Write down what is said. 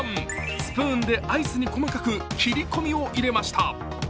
スプーンでアイスに細かく切り込みを入れました。